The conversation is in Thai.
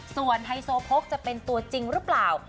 ส่วนไฮโซโพกจะเป็นตัวจริงหรือเปล่า